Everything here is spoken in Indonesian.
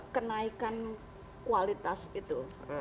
kenaikan kualitas itu